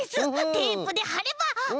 テープではれば。